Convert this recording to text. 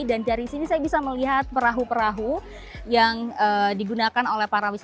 dan dari sini saya bisa melihat perahu perahu yang digunakan oleh para wisata